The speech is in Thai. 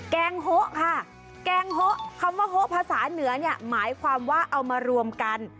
แกงโฮะค่ะแกงโฮะคำว่าโฮภาษาเหนือเนี่ยหมายความว่าเอามารวมกัน